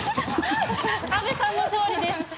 阿部さんの勝利です。